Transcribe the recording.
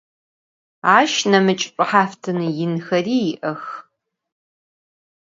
Aş nemıç' ş'uhaftın yinxeri yi'ex.